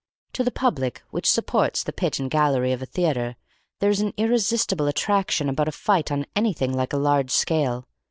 To the public which supports the pit and gallery of a theatre there is an irresistible attraction about a fight on anything like a large scale.